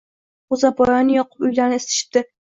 G‘o‘zapoyani yoqib uylarni isitishibdi.